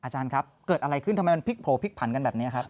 อาจารย์ครับเกิดอะไรขึ้นทำไมมันพลิกโผล่พลิกผันกันแบบนี้ครับ